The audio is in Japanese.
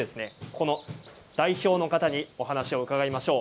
代表の方にお話を伺いましょう。